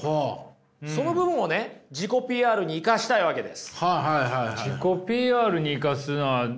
その部分をね自己ＰＲに生かしたいわけです。